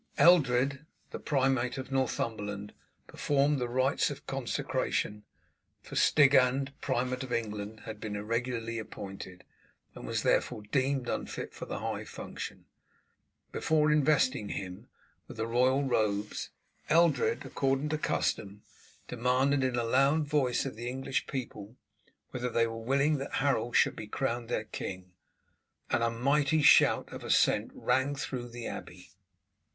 Eldred the primate of Northumberland performed the rites of consecration for Stigand, primate of England, had been irregularly appointed, and was therefore deemed unfit for the high function. Before investing him with the royal robes Eldred, according to custom, demanded in a loud voice of the English people whether they were willing that Harold should be crowned their king, and a mighty shout of assent rang through the abbey.